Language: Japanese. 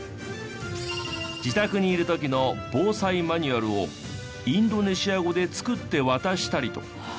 自宅にいる時の防災マニュアルをインドネシア語で作って渡したりと。